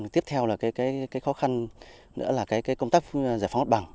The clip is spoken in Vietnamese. tiếp theo là cái khó khăn nữa là công tác giải phóng áp bằng